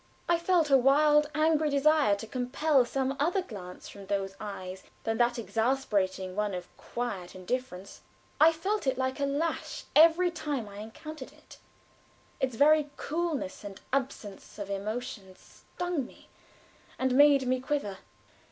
I felt a wild, angry desire to compel some other glance from those eyes than that exasperating one of quiet indifference. I felt it like a lash every time I encountered it. Its very coolness and absence of emotion stung me and made me quiver.